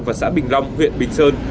và xã bình long huyện bình sơn